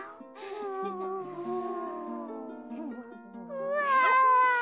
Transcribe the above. うわ！